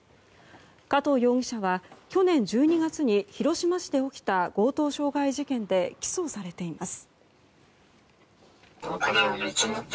加藤容疑者は去年１２月に広島市で起きた強盗傷害事件で起訴されています。